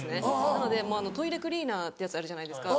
なのでトイレクリーナーってやつあるじゃないですか。